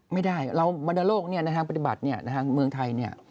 ไม่ได้วรรณโลกซัพที่ปฏิบัติห์ทางเมืองไทย